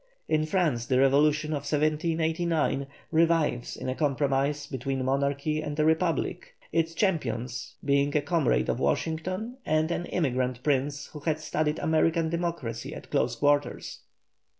In France the revolution of 1789 revives in a compromise between monarchy and a republic, its champions being a comrade of Washington and an emigrant prince who had studied American democracy at close quarters.